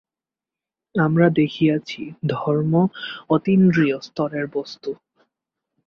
আমরা দেখিয়াছি, ধর্ম অতীন্দ্রিয় স্তরের বস্তু।